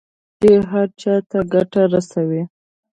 چې هر چا ته ګټه رسوي.